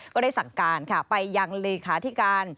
ก็ได้สั่งการค่ะไปยังเลขาธิการ